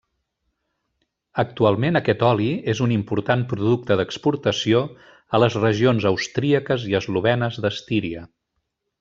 Actualment aquest oli és un important producte d'exportació a les regions austríaques i eslovenes d'Estíria.